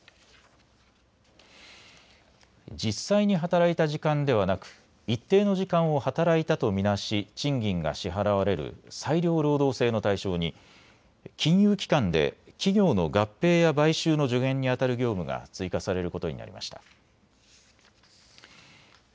実際に働いた時間ではなく一定の時間を働いたと見なし賃金が支払われる裁量労働制の対象に金融機関で企業の合併や買収の助言にあたる業務が追加されることになりました。